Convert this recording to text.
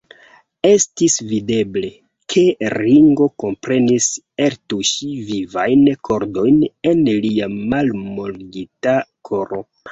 Estis videble, ke Ringo komprenis ektuŝi vivajn kordojn en lia malmoligita koro.